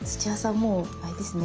もうあれですね。